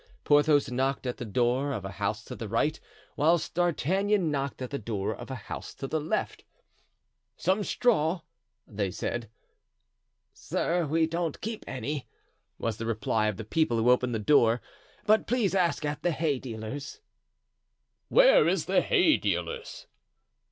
Porthos knocked at the door of a house to the right, whilst D'Artagnan knocked at the door of a house to the left. "Some straw," they said. "Sir, we don't keep any," was the reply of the people who opened the doors; "but please ask at the hay dealer's." "Where is the hay dealer's?"